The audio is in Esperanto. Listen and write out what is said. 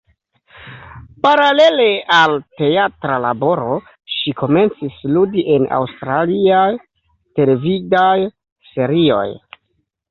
Paralele al teatra laboro, ŝi komencis ludi en aŭstraliaj televidaj serioj.